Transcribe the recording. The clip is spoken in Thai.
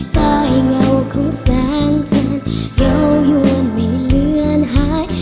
ตายเหงาของแสงแทนเหงาอยู่มันไม่เลือนหาย